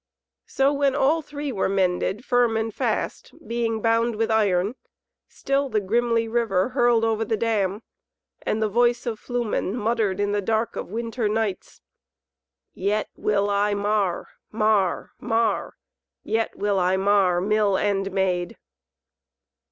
So when all three were mended firm and fast, being bound with iron, still the grimly river hurled over the dam, and the voice of Flumen muttered in the dark of winter nights, "Yet will I mar mar mar yet will I mar Mill and Maid."